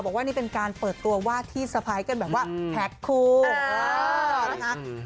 บอกว่านี่เป็นการเปิดตัวว่าที่สะพ้ายกันแบบว่าแพ็คคู่นะคะ